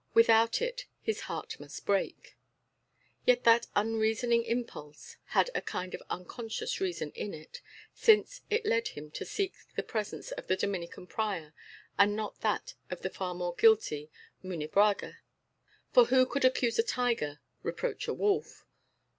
Without it his heart must break. Yet that unreasoning impulse had a kind of unconscious reason in it, since it led him to seek the presence of the Dominican prior, and not that of the far more guilty Munebrãga. For who would accuse a tiger, reproach a wolf?